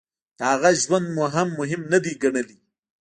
د هغه ژوند مو هم مهم نه دی ګڼلی.